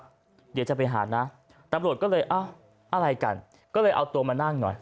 เดี๋ยวจะไปหานะตำรวจก็เลยเอ้าอะไรกันก็เลยเอาตัวมานั่งหน่อย